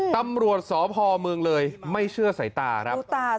ตำรวจสพเมืองเลยไม่เชื่อสายตาครับ